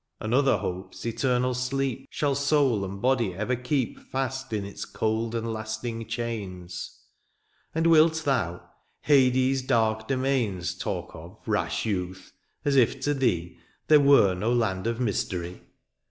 " Another hopes eternal sleep *^ Shall soul and body ever keep " Fast in its cold and lasting chains. " And wilt thou, hades^ dark domains *' Talk of, rash youth, as if to thee " They were no land of mystery